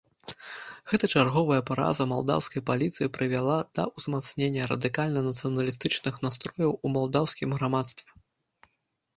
Гэта чарговая параза малдаўскай паліцыі прывяла да ўзмацнення радыкальна нацыяналістычных настрояў у малдаўскім грамадстве.